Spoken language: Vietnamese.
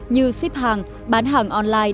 như ship hàng bán hàng online